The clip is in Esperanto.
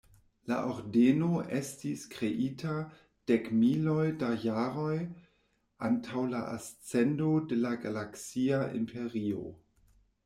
La ordeno estis kreita dekmiloj da jaroj antaŭ la ascendo de la Galaksia Imperio.